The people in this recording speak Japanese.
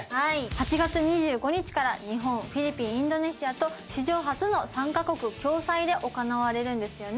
８月２５日から日本フィリピンインドネシアと史上初の３カ国共催で行われるんですよね。